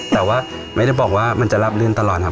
แต่ว่าไม่ได้บอกว่ามันจะรับลื่นตลอดครับ